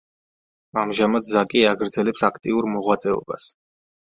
ამჟამად ზაკი აგრძელებს აქტიურ მოღვაწეობას.